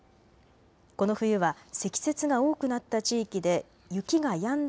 この冬は積雪が多くなった地域で雪がやんだ